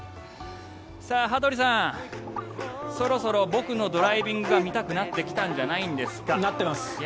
羽鳥さん、そろそろ僕のドライビングが見たくなってきたんじゃないですか。